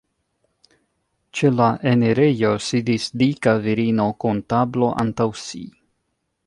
Ĉe la enirejo sidis dika virino kun tablo antaŭ si.